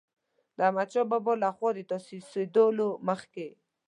د احمدشاه بابا له خوا د تاسیسېدلو مخکې.